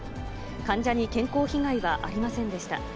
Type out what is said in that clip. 患者に健康被害はありませんでした。